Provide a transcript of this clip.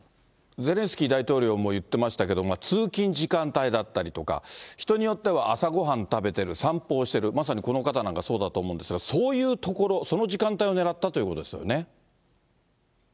ゼレンスキー大統領も言ってましたけど、通勤時間帯だったりとか、人によっては朝ごはん食べてる、散歩をしてる、まさにこの方なんかそうだと思うんですが、そういう所、その時間帯を狙ったということですよね。